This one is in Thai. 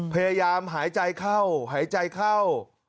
พยายามหายใจเข้าหายใจเข้า